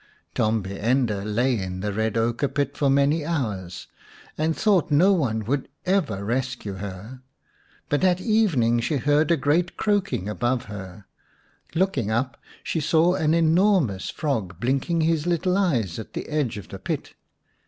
Tombi ende lay in the red ochre pit for many hours, and thought no one would ever rescue her. But at evening she heard a great croaking above her. Looking up she saw an enormous frog blinking his little eyes at the edge of the pit.